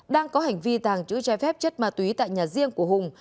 đang có hành vi tàng trữ trái phép chất ma túy tại nhà riêng của hùng